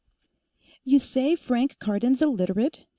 "You say Frank Cardon's a Literate?"